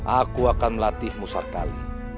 aku akan melatihmu sekali